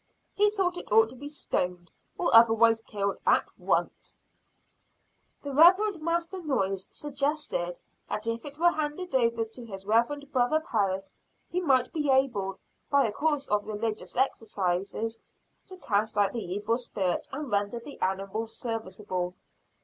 He thought it ought to be stoned, or otherwise killed, at once. The Rev. Master Noyes suggested that if it were handed over to his reverend brother Parris, he might be able, by a course of religious exercises, to cast out the evil spirit and render the animal serviceable.